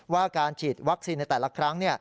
ว่าการฉีดวัคซีนในแต่ละครั้ง